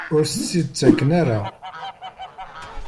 Ur as-tt-id-ttaken ara?